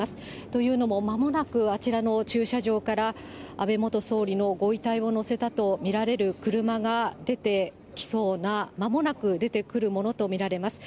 というのも、まもなくあちらの駐車場から、安倍元総理のご遺体を乗せたと見られる車が出てきそうな、まもなく出てくるものと見られます。